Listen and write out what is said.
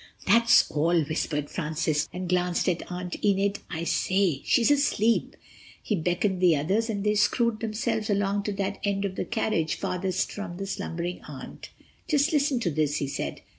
'" "That's all," whispered Francis, and glanced at Aunt Enid. "I say—she's asleep." He beckoned the others, and they screwed themselves along to that end of the carriage farthest from the slumbering aunt. "Just listen to this," he said.